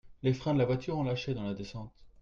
Les freins de la voiture ont lâché dans la descente.